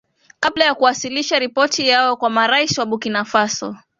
kabla ya kuwasilisha ripoti yao kwa marais wa bukinafaso